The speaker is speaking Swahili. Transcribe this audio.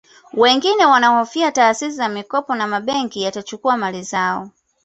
Wengine wanahofia taasisi za mikopo na mabenki yatachukua mali zao